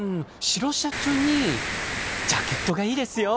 「白シャツにジャケットがいいですよ」